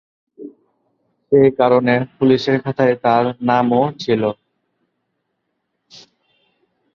সেই কারণে পুলিশের খাতায় তার নামও ছিল।